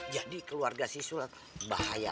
jadi keluarga siswa bahaya